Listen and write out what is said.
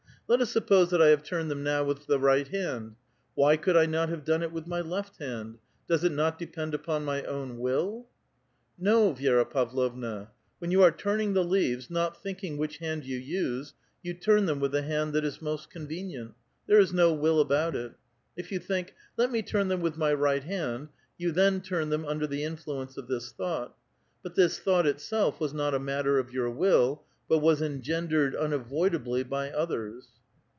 Let us suppose that I have turned them now with the right liand ; why could 1 not have done it with my left hand ? Does it not depend upon my own will? "" No, Vi^ra Pavlovna ; when you are turning the leaves, not thinking which hand you use, you turn them with the hand that is most convenient ; there is no will about it. If you think, * Let me turn them with my right hand/ you then turn them under the influence of this thought ; but this thought itself was not a matter of your will, but was engendered una voidably by othei s."